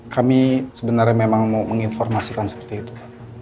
kami sebenarnya memang mau menginformasikan seperti itu